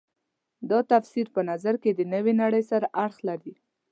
دا تفسیر په نظر کې د نوې نړۍ سره اړخ لري.